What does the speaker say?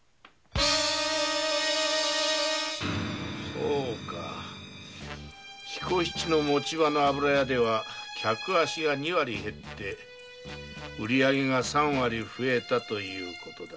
そうか彦七の持ち場の油屋では客足が二割減って売り上げが三割増えたということだな。